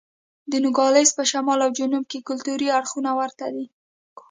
د نوګالس په شمال او جنوب کې کلتوري اړخونه ورته دي.